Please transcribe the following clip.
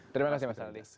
terima kasih mas aditya